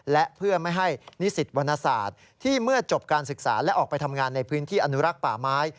และเพื่อไม่ให้นิสิตวรรณศาสตร์ที่เมื่อจบการศึกษาและออกไปทำงานในพื้นที่อนุรักษ์ป่าไม้